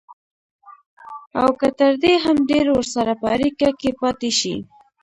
او که تر دې هم ډېر ورسره په اړيکه کې پاتې شي.